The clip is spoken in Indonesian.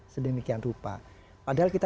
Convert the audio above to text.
sedemikian rupa padahal kita